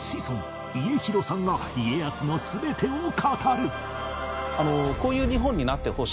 家広さんが家康の全てを語る！